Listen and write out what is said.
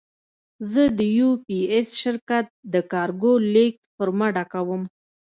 زه د یو پي ایس شرکت د کارګو لېږد فورمه ډکوم.